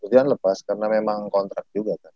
kemudian lepas karena memang kontrak juga kan